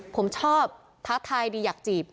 ผมชอบท้าทายดีอยากจีบ